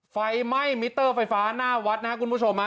ไฟไหม้มิเตอร์ไฟฟ้าหน้าวัดนะครับคุณผู้ชมฮะ